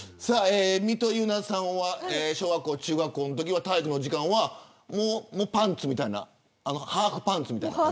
みとゆなさんは小学校、中学校のときは体育の時間はもうパンツみたいなハーフパンツみたいなの。